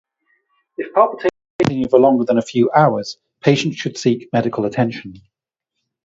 If palpitations continue for longer than a few hours patients should seek medical attention.